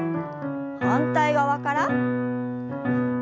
反対側から。